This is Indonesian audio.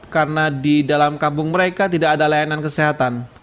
karena di dalam kampung mereka tidak ada layanan kesehatan